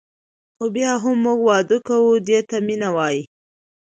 خو بیا هم موږ واده کوو دې ته مینه وايي.